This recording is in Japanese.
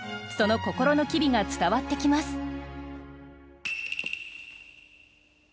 その心の機微が伝わってきます。